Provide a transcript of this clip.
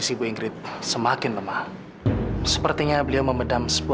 ibu inggrit saya mau pergi ke rumah sama kamu